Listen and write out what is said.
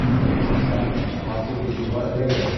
Һин китһәң, фатир бит уға эләгә!